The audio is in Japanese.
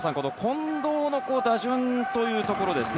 近藤の打順というところですね。